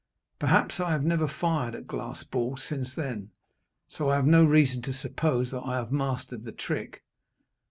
Perhaps. I have never fired at glass balls since then, so I have no reason to suppose that I have mastered the trick.